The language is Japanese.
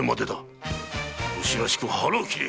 武士らしく腹を切れ！